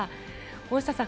大下さん